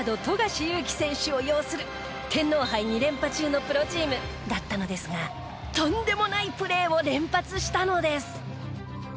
富樫勇樹選手を擁する天皇杯２連覇中のプロチームだったのですがとんでもないプレーを連発したのです。